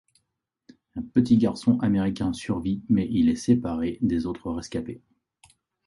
Un petit garçon américain survit, mais il est séparé des autres rescapés.